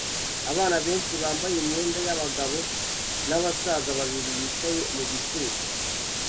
Abana benshi bambaye imyenda yabagabo nabasaza babiri bicaye mugicucu